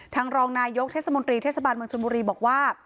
รองนายกเทศมนตรีเทศบาลเมืองชนบุรีบอกว่า